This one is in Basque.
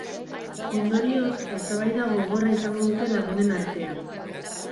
Ondorioz, eztabaida gogorra izango dute lagunen artean.